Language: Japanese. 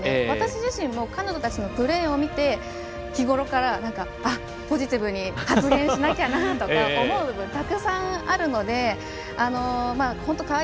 私自身も彼女たちのプレーを見て日ごろからポジティブに発言しなきゃなと思うことがたくさんあるので本当